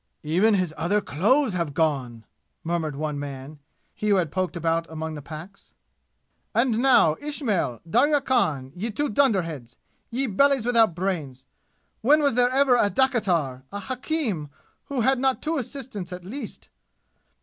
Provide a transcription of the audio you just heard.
"Even his other clothes have gone!" murmured one man, he who had poked about among the packs. "And now, Ismail, Darya Khan, ye two dunder heads! ye bellies without brains! when was there ever a dakitar a hakim, who had not two assistants at the least?